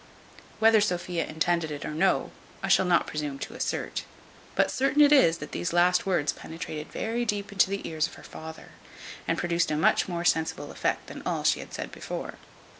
Whether Sophia intended it or no, I shall not presume to assert; but certain it is, these last words penetrated very deep into the ears of her father, and produced a much more sensible effect than all she had said before.